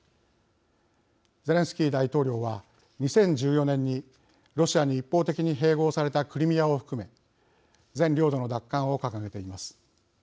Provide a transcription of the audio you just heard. ゼレンスキー大統領は２０１４年にロシアに一方的に併合されたクリミアを含め全領土の奪還を掲げています。